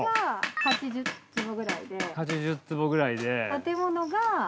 ８０坪くらいで。